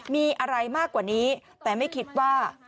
มีอะไรมากกว่านี้แต่ไม่คิดว่า